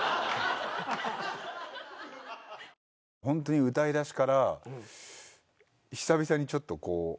ホントに歌いだしから久々にちょっとこう。